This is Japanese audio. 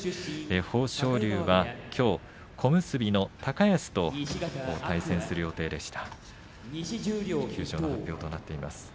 豊昇龍はきょう小結の高安との対戦が組まれていました。